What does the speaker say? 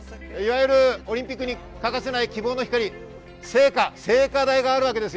オリンピックに欠かせない希望の光、聖火、聖火台があるわけです。